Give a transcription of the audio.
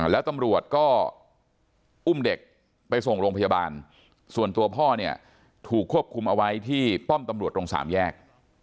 แล้วตำรวจก็อุ้มเด็กไปส่งโรงพยาบาลส่วนตัวพ่อเนี่ยถูกควบคุมเอาไว้ที่ป้อมตำรวจตรงสามแยก